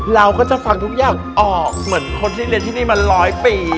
เราก็จะฟังทุกอย่างออกเหมือนคนที่เรียนที่นี่มาร้อยปี